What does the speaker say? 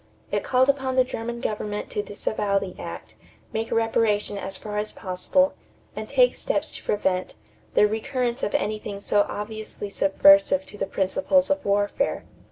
It called upon the German government to disavow the act, make reparation as far as possible, and take steps to prevent "the recurrence of anything so obviously subversive of the principles of warfare."